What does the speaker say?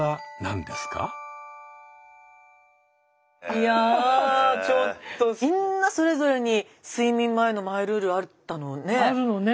いやちょっとみんなそれぞれに睡眠前のマイルールあったのね。